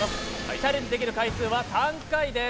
チャレンジできる回数は３回です。